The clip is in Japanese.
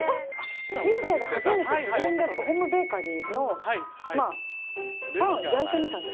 人生で初めて自分でホームベーカリーのパンを焼いてみたんです。